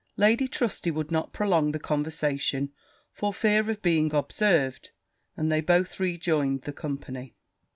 Lady Trusty would not prolong the conversation, for fear of being observed; and they both rejoined the company.